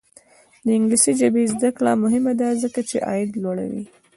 د انګلیسي ژبې زده کړه مهمه ده ځکه چې عاید لوړوي.